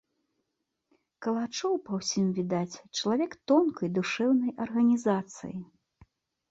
Калачоў, па ўсім відаць, чалавек тонкай душэўнай арганізацыі.